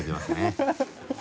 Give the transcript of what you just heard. ハハハ